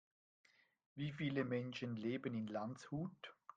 Wie viele Menschen leben in Landshut?